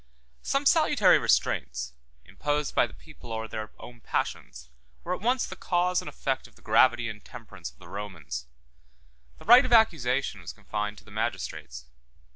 Some salutary restraints, imposed by the people or their own passions, were at once the cause and effect of the gravity and temperance of the Romans. The right of accusation was confined to the magistrates.